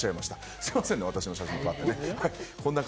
すみませんね、私の写真ばっかり。